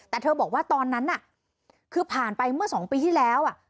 แต่เธอบอกว่าตอนนั้นน่ะคือผ่านไปเมื่อ๒ปีที่แล้ว